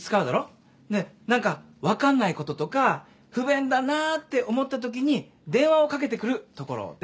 で何か分かんないこととか不便だなって思ったときに電話をかけてくるところです。